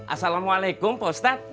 assalamu'alaikum pak ustadz